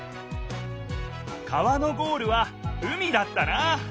川のゴールは海だったな！